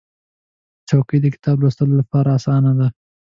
چوکۍ د کتاب لوستلو لپاره اسانه ده.